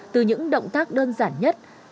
từ những động tác đơn giản nhất